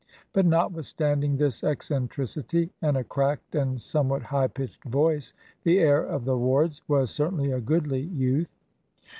But notwithstanding this eccentricity and a cracked and somewhat high pitched voice, the heir of the Wards was certainly a goodly youth.